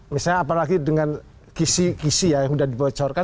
misalnya apalagi dengan kisi kisi ya yang sudah dibocorkan